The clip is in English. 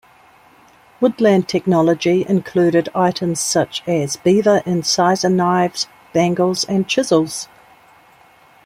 Woodland technology included items such as beaver incisor knives, bangles, and chisels.